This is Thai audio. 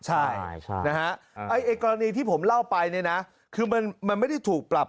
ใช่ไอ้กรณีที่ผมเล่าไปนะคือมันไม่ได้ถูกปรับ